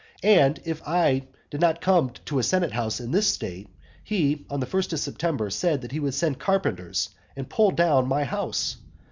And if I did not come to a senate house in this state, he, on the first of September, said that he would send carpenters and pull down my house.